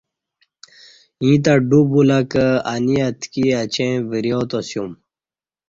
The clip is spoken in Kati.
ییں تہ ڈو بُولہ کہ انی اتکی اچیں وریا تاسیوم